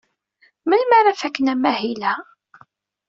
Melmi ara faken amahil-a?